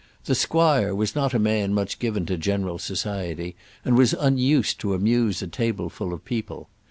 The squire was not a man much given to general society, and was unused to amuse a table full of people.